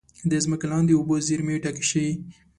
د ځمکې لاندې اوبو زیرمې ډکې شي.